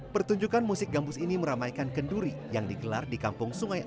pertunjukan musik gambus ini meramaikan kenduri yang digelar di kampung sungai